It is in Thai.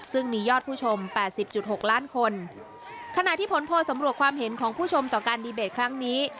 ซึ่งมียอดผู้ชมแปดสิบจุดหกล้านคนขณะที่ผลโพลสำรวจความเห็นของผู้ชมต่อการดีเบตครั้งนี้